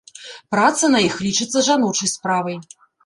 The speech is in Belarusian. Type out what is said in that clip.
Праца на іх лічыцца жаночай справай.